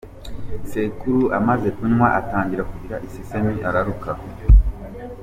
Sekuru amaze kunywa atangira kugira isesemi, araruka.